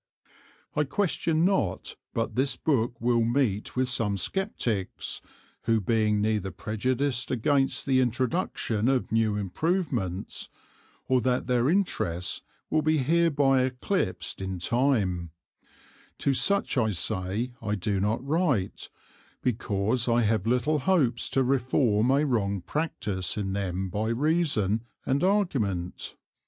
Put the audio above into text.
I Question not but this Book will meet with some Scepticks, who being neither prejudiced against the Introduction of new Improvements, or that their Interests will be hereby eclipsed in time; To such I say I do not write, because I have little hopes to reform a wrong Practice in them by Reason and Argument.